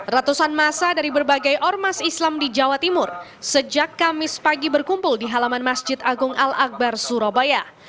ratusan masa dari berbagai ormas islam di jawa timur sejak kamis pagi berkumpul di halaman masjid agung al akbar surabaya